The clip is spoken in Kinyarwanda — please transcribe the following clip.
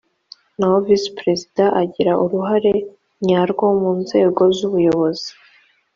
naho visi perezida agira uruhare nyarwo mu nzego z’ubuyobozi